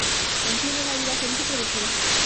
En fin, una vida feliz y productiva.